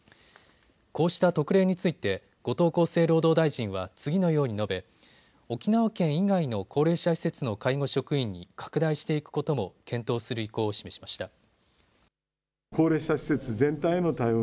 こうした特例について後藤厚生労働大臣は次のように述べ沖縄県以外の高齢者施設の介護職員に拡大していくことも検討する意向を示しました。